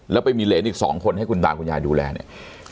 แล้วไปมีเหรนอีก๒คนให้คุณตาคุณยายดูแลเนี่ย